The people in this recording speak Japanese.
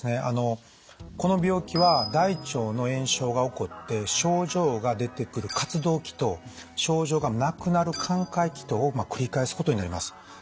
あのこの病気は大腸の炎症が起こって症状が出てくる活動期と症状がなくなる寛解期とを繰り返すことになります。